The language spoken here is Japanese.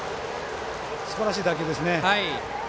すばらしい打球ですね。